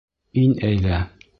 Ин әйҙә.